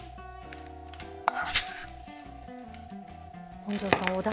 本上さん